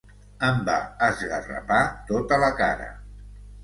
Em va esgarrapar tota la cara.